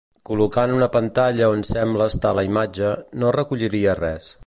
Col·locant una pantalla on sembla estar la imatge, no recolliria res.